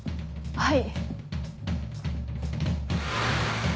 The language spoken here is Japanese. はい。